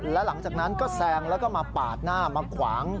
แล้วหลังจากนั้นก็แซงแล้วก็มาปาดหน้ามาขวาง